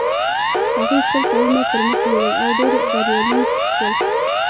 هغوی خپل کارونه پر مخ یوړل او ډېر بریالي شول.